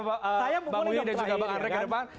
pak willy dan juga pak andre ke depan